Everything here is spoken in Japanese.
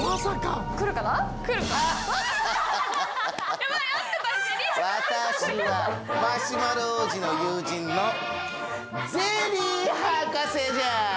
私はマシュマロ王子の友人のゼリー博士じゃ！